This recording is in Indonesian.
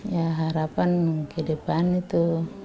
ya harapan kehidupan itu